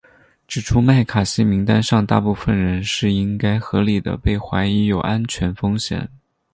指出麦卡锡名单上大部分人是应该合理地被怀疑有安全风险。